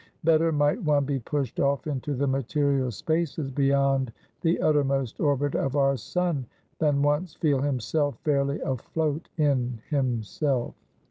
Better might one be pushed off into the material spaces beyond the uttermost orbit of our sun, than once feel himself fairly afloat in himself!